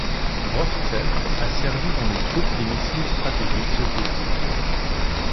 Brovtsev a servi dans les troupes des missiles stratégiques soviétique.